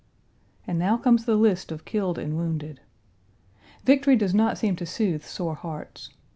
And now comes the list of killed and wounded. Victory does not seem to soothe sore hearts.